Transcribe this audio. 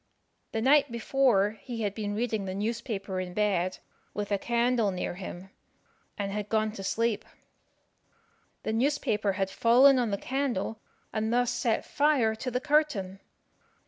The night before he had been reading the newspaper in bed, with a candle near him, and had gone to sleep. The newspaper had fallen on the candle, and thus set fire to the curtain.